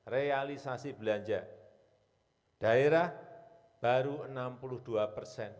realisasi belanja daerah baru enam puluh dua persen